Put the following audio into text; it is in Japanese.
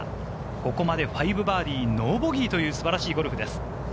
ここまで５バーディー、ノーボギーという素晴らしいゴルフです。